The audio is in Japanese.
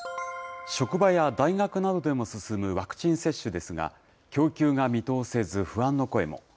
職場や大学などでも進むワクチン接種ですが、供給が見通せず不安の声も。